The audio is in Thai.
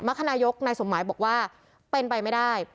รคนายกนายสมหมายบอกว่าเป็นไปไม่ได้